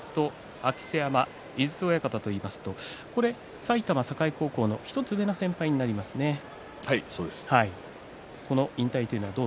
明瀬山、井筒親方といいますと埼玉栄高校の１つ上の先輩にはい、そうです。